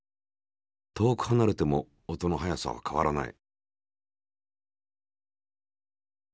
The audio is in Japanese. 遠くはなれても音の速さは変わらない。